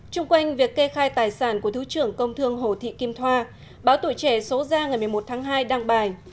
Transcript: trung quanh việc kê khai tài sản của thứ trưởng công thương hồ thị kim thoa báo tuổi trẻ số ra ngày một mươi một tháng hai đăng bài